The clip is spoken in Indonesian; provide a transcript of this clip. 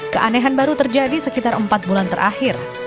keanehan baru terjadi sekitar empat bulan terakhir